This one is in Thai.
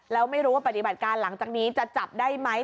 แล้วไม่รู้ว่าปฏิบัติการหลังจากนี้จะจับได้ไหม